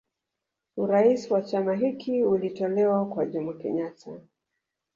Urais wa chama hiki ulitolewa kwa Jomo Kenyatta